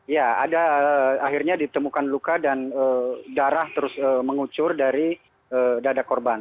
ya ada akhirnya ditemukan luka dan darah terus mengucur dari dada korban